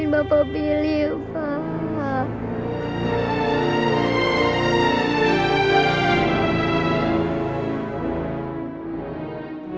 jangan bawa bapak billy pak